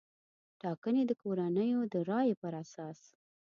ټاګنې د کورنیو د رایې پر اساس